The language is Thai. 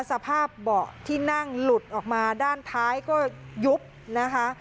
สภาพเบาะที่นั่งหลุดออกมาด้านท้ายก็ยุบนะคะ